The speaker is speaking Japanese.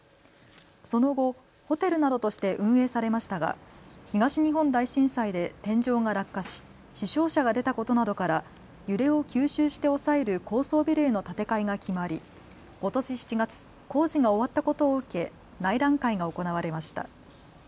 その後、ホテルなどとして運営されましたが東日本大震災で天井が落下し死傷者が出たことなどから揺れを吸収して抑える高層ビルへの建て替えが決まりことし７月、工事が終わったことを受け内覧会が行われました。